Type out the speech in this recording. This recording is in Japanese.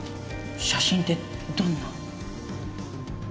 写真ってどんな？